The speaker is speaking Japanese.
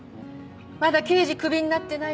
まだ刑事クビになってないの？